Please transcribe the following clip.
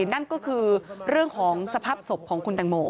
นั่นก็คือเรื่องของสภาพศพของคุณตังโม